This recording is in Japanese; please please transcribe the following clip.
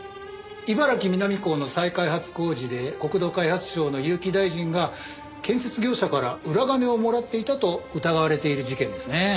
茨城南港の再開発工事で国土開発省の結城大臣が建設業者から裏金をもらっていたと疑われている事件ですね。